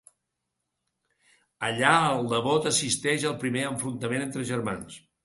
Allà el nebot assisteix al primer enfrontament entre germans.